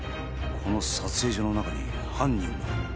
この撮影所の中に犯人が。